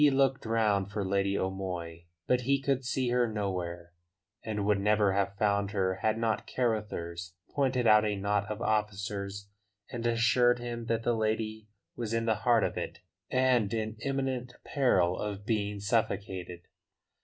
He looked round for Lady O'Moy, but he could see her nowhere, and would never have found her had not Carruthers pointed out a knot of officers and assured him that the lady was in the heart of it and in imminent peril of being suffocated.